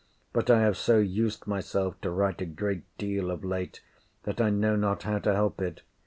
But I have so used myself to write a great deal of late, that I know not how to help it.